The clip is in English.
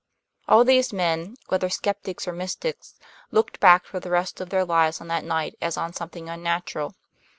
All these men, whether skeptics or mystics, looked back for the rest of their lives on that night as on something unnatural.